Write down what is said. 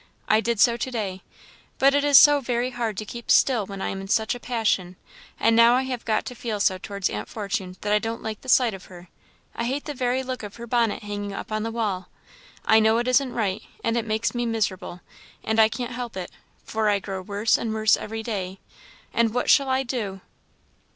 I did so to day; but it is so very hard to keep still when I am in such a passion, and now I have got to feel so towards Aunt Fortune that I don't like the sight of her; I hate the very look of her bonnet hanging up on the wall. I know it isn't right; and it makes me miserable; and I can't help it, for I grow worse and worse every day and what shall I do?"